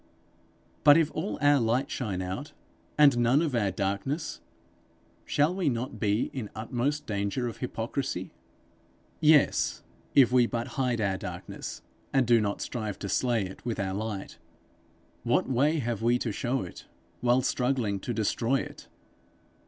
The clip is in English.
But if all our light shine out, and none of our darkness, shall we not be in utmost danger of hypocrisy? Yes, if we but hide our darkness, and do not strive to slay it with our light: what way have we to show it, while struggling to destroy it?